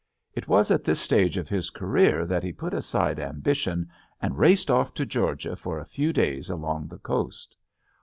It was at this stage of his career that he put aside ambition and raced off to Georgia for a few days along the coast.